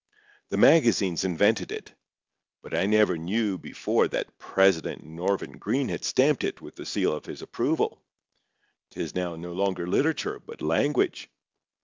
The magazines invented it, but I never knew before that President Norvin Green had stamped it with the seal of his approval. 'Tis now no longer literature, but language.